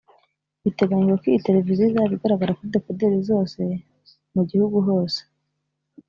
Biteganyijwe ko iyi televiziyo izaba igaragara kuri dekoderi zose mu gihugu hose